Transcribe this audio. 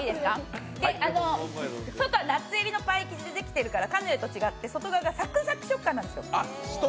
外はナッツ入りのパイ生地でできているからカヌレと違って、外側がサクサク食感なんですよ。